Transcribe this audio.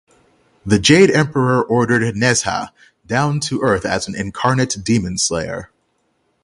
The Jade Emperor ordered Nezha down to earth as an incarnate demon slayer.